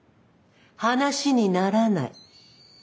話にならない。